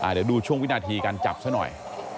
เดี๋ยวดูช่วงวินาทีการจับซะหน่อย